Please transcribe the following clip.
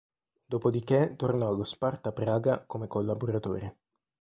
Dopodiché tornò allo Sparta Praga come collaboratore.